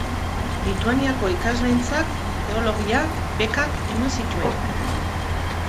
Lituaniako ikasleentzat teologia bekak eman zituen.